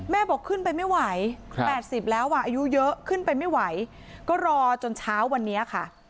บอกขึ้นไปไม่ไหว๘๐แล้วอายุเยอะขึ้นไปไม่ไหวก็รอจนเช้าวันนี้ค่ะ